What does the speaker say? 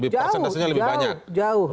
persentasenya lebih banyak